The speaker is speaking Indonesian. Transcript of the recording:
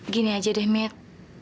gini aja deh mit